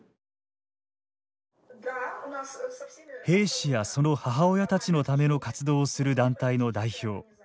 兵士やその母親たちのための活動をする団体の代表